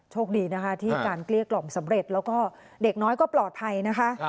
โชคดีนะคะที่การเกลี้ยกล่อมสำเร็จแล้วก็เด็กน้อยก็ปลอดภัยนะคะ